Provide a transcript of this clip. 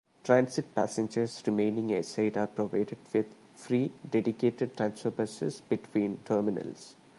Transit passengers remaining airside are provided with free dedicated transfer buses between terminals.